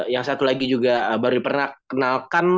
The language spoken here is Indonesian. yang satu lagi juga baru diperkenalkan